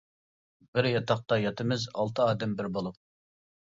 بىر ياتاقتا ياتىمىز، ئالتە ئادەم بىر بولۇپ.